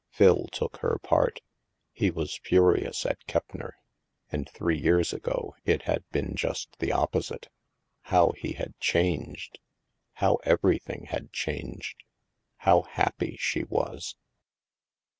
Phil took her part. He was furious at Keppner. And HAVEN 301 three years ago, it had been just the opposite. How he had changed! How everything had changed I How happy she was